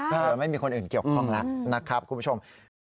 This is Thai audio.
ไม่มีคนอื่นเกี่ยวข้องแล้วนะครับคุณผู้ชม